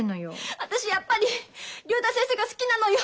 私やっぱり竜太先生が好きなのよ。